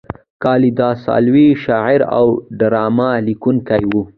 کالیداسا لوی شاعر او ډرامه لیکونکی و.